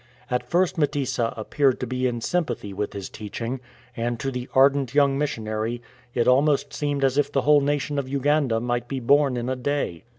At first Mtesa appeared to be in sympathy with his teaching, and to the ardent young missionary it almost seemed as if the whole nation of Uganda might be born in a day.